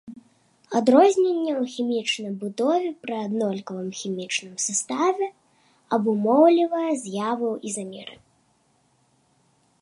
Адрозненне ў хімічнай будове пры аднолькавым хімічным саставе абумоўлівае з'яву ізамерыі.